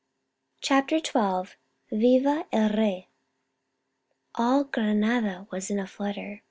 CHAPTER XII. VIVA EL REY ! All Granada was in a flutter